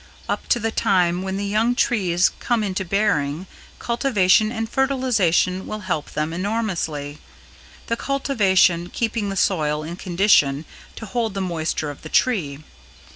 Up to the time when the young trees come into bearing, cultivation and fertilization will help them enormously, the cultivation keeping the soil in condition to hold the moisture of the tree.